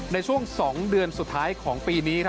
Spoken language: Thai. ในช่วง๒เดือนสุดท้ายของปีนี้